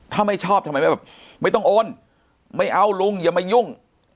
ที่นี่ถ้าไม่อดแบบไม่ต้องโอนไม่เอาลุงอย่ามายุ่ง